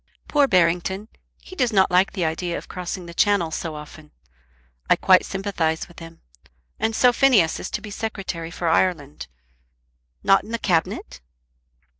"Poor Barrington! He does not like the idea of crossing the Channel so often. I quite sympathise with him. And so Phineas is to be Secretary for Ireland! Not in the Cabinet?"